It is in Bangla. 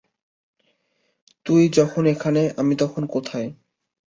তুমি যখন এখানে, আমি তখন কোথায়?